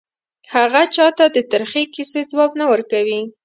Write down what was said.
هغه چا ته د ترخې کیسې ځواب نه ورکوي